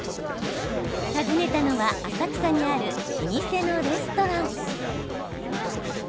訪ねたのは浅草にある老舗のレストラン。